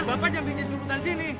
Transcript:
bapak jangan bikin keliputan disini